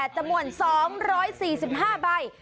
๕๘จำวน๒๔๕ใบ